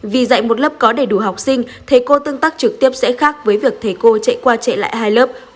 vì dạy một lớp có đầy đủ học sinh thầy cô tương tác trực tiếp sẽ khác với việc thầy cô chạy qua chạy lại hai lớp